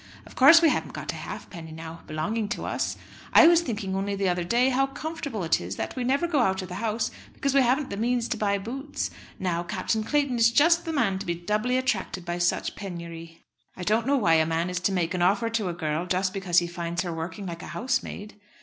Of course we haven't got a halfpenny now belonging to us. I was thinking only the other day how comfortable it is that we never go out of the house because we haven't the means to buy boots. Now Captain Clayton is just the man to be doubly attracted by such penury." "I don't know why a man is to make an offer to a girl just because he finds her working like a housemaid."